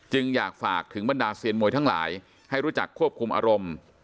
อยากฝากถึงบรรดาเซียนมวยทั้งหลายให้รู้จักควบคุมอารมณ์